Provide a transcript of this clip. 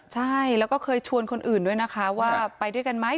ใช่แล้วก็เคยชวนคนอื่นด้วยนะคะว่าไปด้วยกันไหม